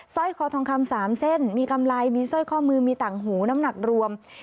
ร้อยคอทองคำ๓เส้นมีกำไรมีสร้อยข้อมือมีต่างหูน้ำหนักรวม